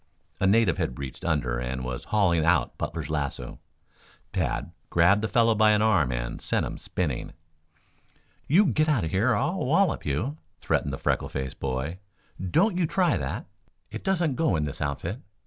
A native had reached under and was hauling out Butler's lasso. Tad grabbed the fellow by an arm and sent him spinning. "You get out of here or I'll wallop you!" threatened the freckle faced boy. "Don't you try that! It doesn't go in this outfit.